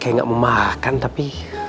kayak gak mau makan tapi